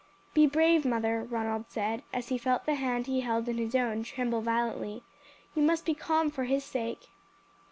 "Be brave, mother," Ronald said, as he felt the hand he held in his own tremble violently. "You must be calm for his sake."